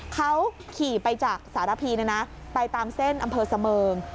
เขาขี่ไปจากสารพีไปตามเส้นอำเภอเสมิง